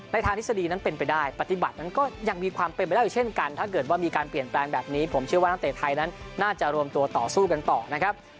ทางทฤษฎีนั้นเป็นไปได้ปฏิบัตินั้นก็ยังมีความเป็นไปได้อีกเช่นกันถ้าเกิดว่ามีการเปลี่ยนแปลงแบบนี้ผมเชื่อว่านักเตะไทยนั้นน่าจะรวมตัวต่อสู้กันต่อนะครับ